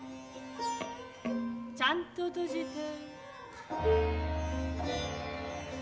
ちゃんととじて。